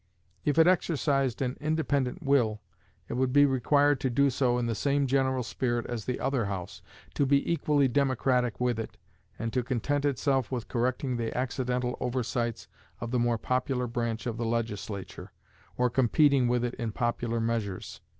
If it exercised an independent will, it would be required to do so in the same general spirit as the other House; to be equally democratic with it, and to content itself with correcting the accidental oversights of the more popular branch of the Legislature, or competing with it in popular measures.